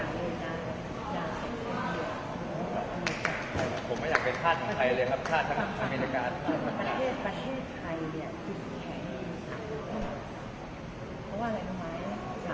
ผมไม่อยากเป็นฆาตของไทยเลยครับฆาตของอเมริกา